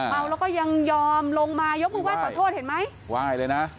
เมาแล้วก็ยังยอมลงมายกบว่าขอโทษเห็นไหมว่ายเลยนะ